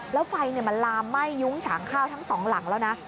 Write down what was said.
แล้วไฟมันลามไหม้ยุ้งฉางข้าวทั้งสองหลังแล้วนะ